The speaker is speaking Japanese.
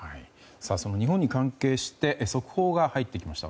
その日本に関係して速報が入ってきました。